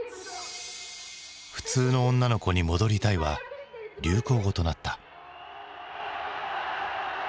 「普通の女の子に戻りたい」は流行語となった。